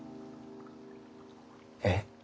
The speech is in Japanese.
えっ？